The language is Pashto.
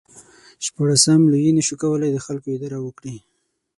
شپاړسم لویي نشو کولای د خلکو اداره وکړي.